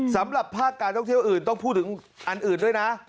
สำหรับภาคการท่องเที่ยวอื่นต้องพูดถึงอันอื่นด้วยนะ